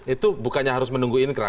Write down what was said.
itu bukannya harus menunggu inkra